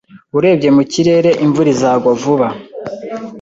Urebye mu kirere, imvura izagwa vuba.